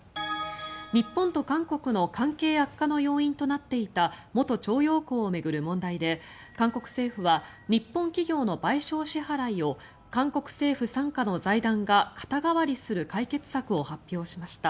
日本と韓国の関係悪化の要因となっていた元徴用工を巡る問題で韓国政府は日本企業の賠償支払いを韓国政府傘下の財団が肩代わりする解決策を発表しました。